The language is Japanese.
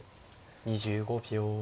２５秒。